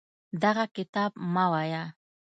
دغه کتاب مه وایه.